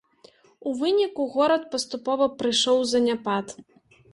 У выніку горад паступова прыйшоў у заняпад.